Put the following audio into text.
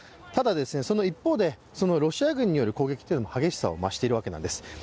ただ、その一方でロシア軍による攻撃は激しさを増しているわけなんです。